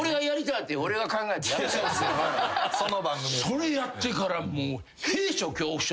それやってからもう。